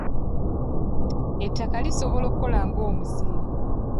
Ettaka lisobola okukola nga omusingo.